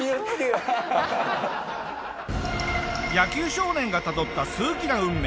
野球少年がたどった数奇な運命。